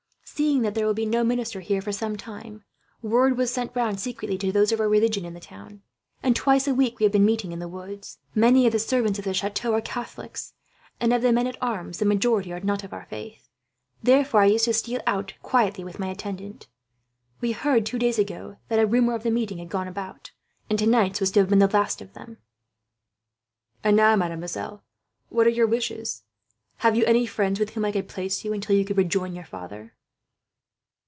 Seeing that there will be no minister here for some time, word was sent round secretly, to those of our religion in the town, and twice a week we have had meetings in the wood. Many of the servants of the chateau are Catholics, and of the men at arms, the majority are not of our faith. Therefore I used to steal out quietly with my attendant. We heard, two days ago, that a rumour of the meetings had got about; and tonight's was to have been the last of them." "And now, mademoiselle, what are your wishes? Have you any friends with whom I could place you, until you could rejoin your father?"